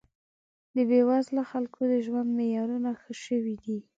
د بې وزله خلکو د ژوند معیارونه ښه شوي دي